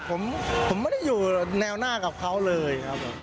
ผมไม่ได้อยู่แนวหน้ากับเขาเลย